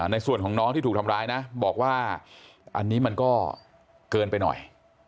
ในส่วนของน้องที่ถูกทำร้ายนะบอกว่าอันนี้มันก็เกินไปหน่อย